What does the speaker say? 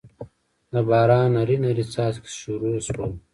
دباران نري نري څاڅکي شورو شول